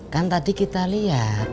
kan tadi kita liat